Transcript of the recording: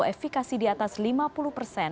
efekasi di atas lima puluh persen